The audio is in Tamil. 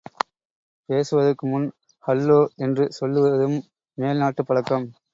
பேசுவதற்கு முன் ஹல்லோ என்று சொல்லுவதும் மேல் நாட்டுப் பழக்கம்.